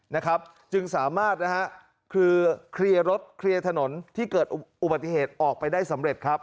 นะครับจึงสามารถนะฮะคือเคลียร์รถเคลียร์ถนนที่เกิดอุบัติเหตุออกไปได้สำเร็จครับ